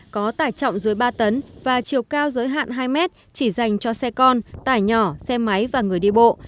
có tải trọng dưới ba tấn và chiều cao giới hạn hai mét chỉ dành cho xe con tải nhỏ xe máy và người đi bộ